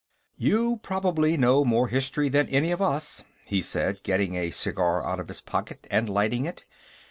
"You probably know more history than any of us," he said, getting a cigar out of his pocket and lighting it.